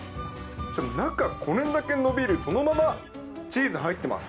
それが中、これだけ伸びる、そのまま、チーズ入ってます。